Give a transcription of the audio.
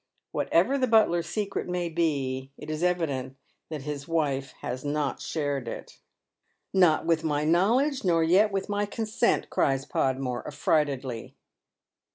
What ever the butler's secret may be, it is evident that his wife has no* tjhared it. " Not with my knowledge, nor yet with my consent," cries Podmore, affrightedly.